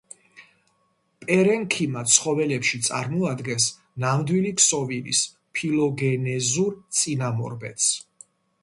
პარენქიმა ცხოველებში წარმოადგენს ნამდვილი ქსოვილის ფილოგენეზურ წინამორბედს.